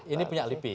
ini punya lipi